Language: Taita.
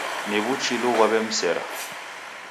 Ni w'uchilu ghwaw'emsera.